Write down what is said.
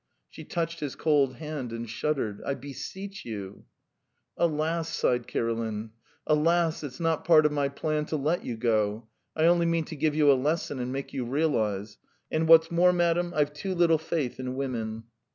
She touched his cold hand and shuddered. "I beseech you. ..." "Alas!" sighed Kirilin, "alas! it's not part of my plan to let you go; I only mean to give you a lesson and make you realise. And what's more, madam, I've too little faith in women."